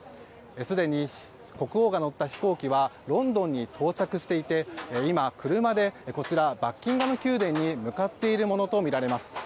すでに国王が乗った飛行機はロンドンに到着していて今、車でバッキンガム宮殿に向かっているものとみられます。